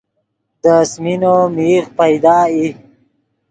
دے آسمینو میغ پیدا ای